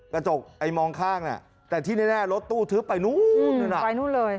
กระจกไอ้มองข้างน่ะแต่ที่แน่รถตู้ทึบไปนู่นน่ะไปนู่นเลย